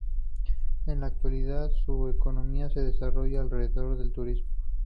En la actualidad su economía se desarrolla alrededor del turismo.